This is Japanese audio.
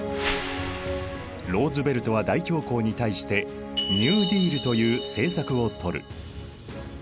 ローズヴェルトは大恐慌に対してニューディールという政策をとる。